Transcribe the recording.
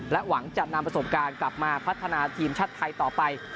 หวังจะนำประสบการณ์กลับมาพัฒนาทีมชาติไทยต่อไป